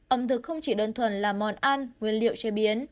ẩm thực không chỉ đơn thuần là món ăn nguyên liệu chế biến